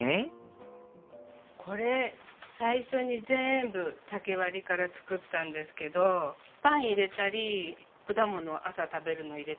これ最初に全部竹割りから作ったんですけどパン入れたり果物朝食べるのを入れておいたり。